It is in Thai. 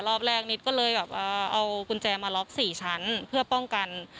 รอบแรกนิดก็เลยแบบเอากุญแจมาล็อก๔ชั้นเพื่อป้องกัน